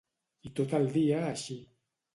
I tot el dia així.